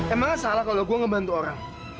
emangnya salah kalau gue ngebantu orang